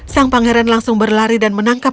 sang pangeran langsung berlari dan menangkap